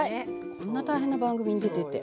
こんな大変な番組に出てて。